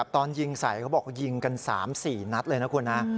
ตอนยิงใส่เขาบอกยิงกัน๓๔นัดเลยนะคุณนะ